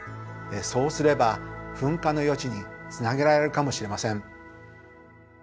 そうすれば噴火の予知につなげられるかもしれません。